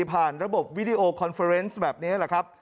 ผ่านระบบวิดีโอคอนเฟอร์เตอร์เนสแบบนี้